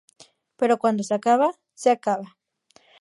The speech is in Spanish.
Pero cuando se acaba, se acaba".